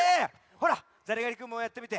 ほらザリガニくんもやってみて。